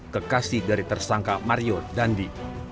kekasih dari tersangka mario dandi